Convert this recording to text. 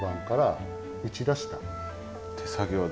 手作業で。